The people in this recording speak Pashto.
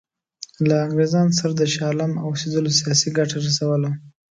له انګرېزانو سره د شاه عالم اوسېدلو سیاسي ګټه رسوله.